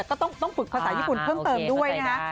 ก็ต้องฝึกภาษาญี่ปุ่นเพิ่มเติมด้วยนะฮะ